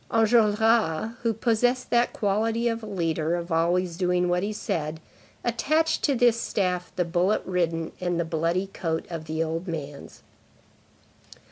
Enjolras, who possessed that quality of a leader, of always doing what he said, attached to this staff the bullet ridden and bloody coat of the old man's.